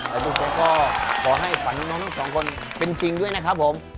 แต่ทุกคนก็ขอให้ฝันน้องทั้งสองคนเป็นจริงด้วยนะครับผม